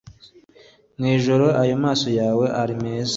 mwijoro, iyo amaso yawe ari meza